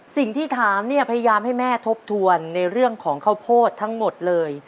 สิ่งที่ถามเนี่ยพยายามให้แม่ทบทวนในเรื่องของข้าวโพดทั้งหมดเลย